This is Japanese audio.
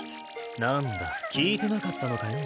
なんだ聞いてなかったのかよ。